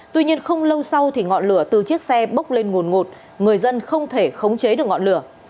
tuy nhiên không lâu sau thì ngọn lửa từ chiếc xe bốc lên nguồn ngột người dân không thể khống chế được ngọn lửa